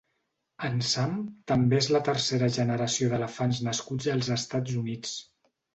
En Sam també és la tercera generació d'elefants nascuts als Estats Units.